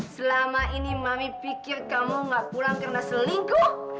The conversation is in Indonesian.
selama ini mami pikir kamu gak pulang karena selingkuh